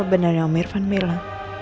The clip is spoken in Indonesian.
apa benarnya om irfan bilang